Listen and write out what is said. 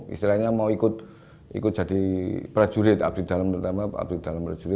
istilahnya mau ikut jadi prajurit abdi dalam terutama